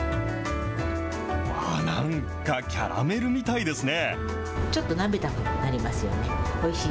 なんかキャラメルみたいですね。